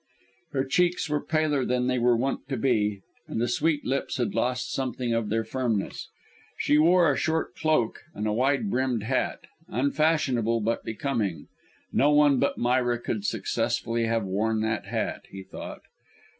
Her cheeks were paler than they were wont to be, and the sweet lips had lost something of their firmness. She wore a short cloak, and a wide brimmed hat, unfashionable, but becoming. No one but Myra could successfully have worn that hat, he thought.